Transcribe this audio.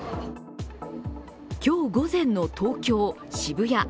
今日午前の東京・渋谷。